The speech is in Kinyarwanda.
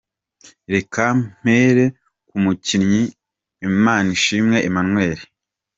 Reka mpere ku mukinnyi Imanishimwe Emmanuel.